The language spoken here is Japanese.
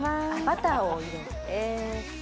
バターを入れる。